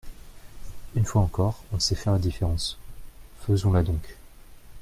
Une fois encore, on sait faire la différence ; faisons-la donc.